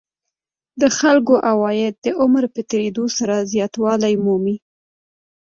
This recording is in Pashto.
د خلکو عواید د عمر په تېرېدو سره زیاتوالی مومي